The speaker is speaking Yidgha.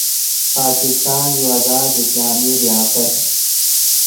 پاکستان یو آزاد اسلامی ریاست